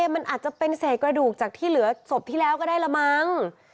มันอาจจะเป็นเศษกระดูกจากที่เหลือศพที่แล้วก็ได้ละมั้ง